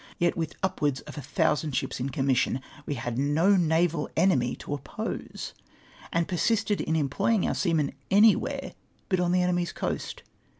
Yet with upwards of a thousand ships in commission, we had no naval enemy to oppose, and persisted in em ploying our seamen anywhere l3ut on the enemy's coast